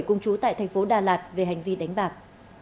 cùng chú tại tp đà lạt về hành vi đánh bạc